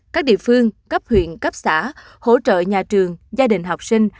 các địa phương cấp huyện cấp xã hỗ trợ nhà trường gia đình học sinh